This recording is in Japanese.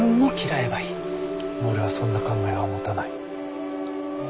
俺はそんな考えは持たない。